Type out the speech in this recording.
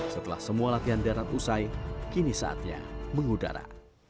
setelah semua latihan darat usai kini saatnya mengudara